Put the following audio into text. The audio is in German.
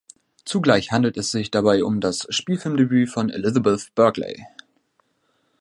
Zugleich handelt es sich dabei um das Spielfilmdebüt von Elizabeth Berkley.